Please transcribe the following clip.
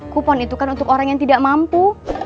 kupon itu kan untuk orang yang tidak mampu